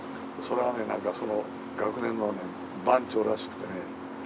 それはねなんかその学年のね番長らしくてね。